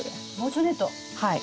はい。